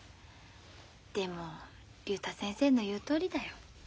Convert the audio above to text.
でも竜太先生の言うとおりだよ。